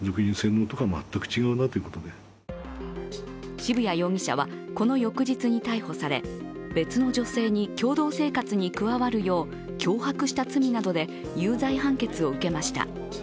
渋谷容疑者はこの翌日に逮捕され別の女性に共同生活に加わるよう脅迫した罪などで有罪判決を受けました。